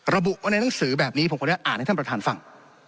ระบุว่าในหนังสือแบบนี้ผมขออนุญาตอ่านให้ท่านประธานฟัง